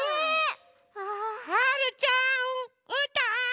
・はるちゃんうーたん！